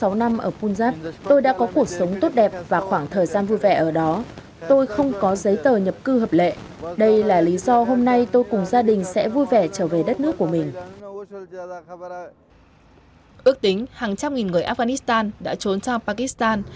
ước tính hàng trăm nghìn người afghanistan đã trốn sang pakistan